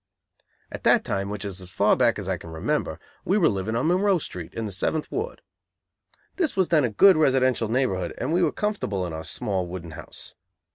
At that time, which is as far back as I can remember, we were living on Munro Street, in the Seventh Ward. This was then a good residential neighborhood, and we were comfortable in our small, wooden house.